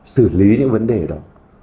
xử lý những vấn đề đó